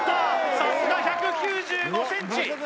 さすが１９５ｃｍ